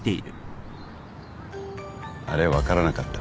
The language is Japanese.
あれ分からなかった。